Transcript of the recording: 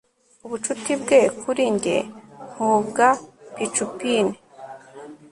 Ubucuti bwe kuri njye nkubwa pcupine